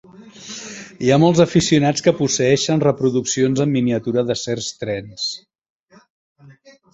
Hi ha molts aficionats que posseeixen reproduccions en miniatura de certs trens.